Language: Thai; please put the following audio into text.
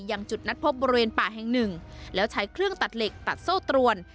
ยังจุดนัดพบบริเวณป่าแห่งหนึ่งแล้วใช้เครื่องตัดเหล็กตัดโซ่ตรวน